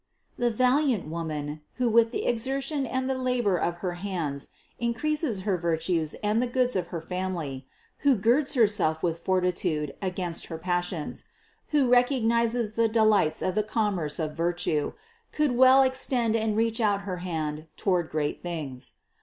The valiant Woman, who with the exertion and the labor of her hands increases her virtues and the goods of her family, who girds Herself with fortitude against her passions, who recognizes the delights of the commerce of virtue, could well extend and reach out her hand to ward great things.